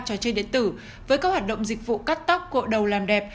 trò chơi điện tử với các hoạt động dịch vụ cắt tóc cội đầu làm đẹp